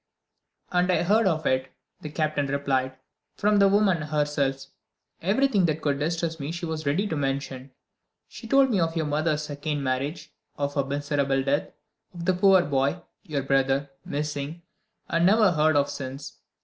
"And I heard of it," the Captain replied, "from the woman herself. Everything that could distress me she was ready to mention. She told me of your mother's second marriage, of her miserable death, of the poor boy, your brother, missing, and never heard of since.